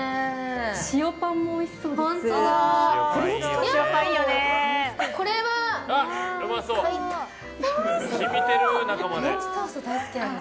塩パンもおいしそうです。